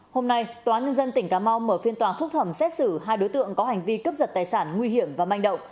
hôm nay tòa nhân dân tỉnh cà mau mở phiên tòa phúc thẩm xét xử hai đối tượng có hành vi cướp giật tài sản nguy hiểm và manh động